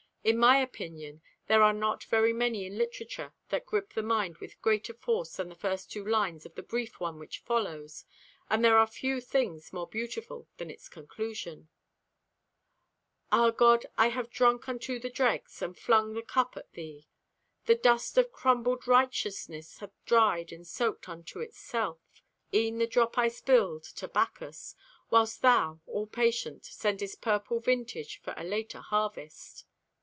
In my opinion there are not very many in literature that grip the mind with greater force than the first two lines of the brief one which follows, and there are few things more beautiful than its conclusion: Ah, God, I have drunk unto the dregs, And flung the cup at Thee! The dust of crumbled righteousness Hath dried and soaked unto itself E'en the drop I spilled to Bacchus, Whilst Thou, all patient, Sendest purple vintage for a later harvest.